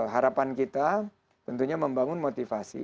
harapan kita tentunya membangun motivasi